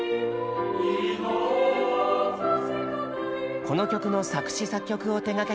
この曲の作詞作曲を手がけたのは。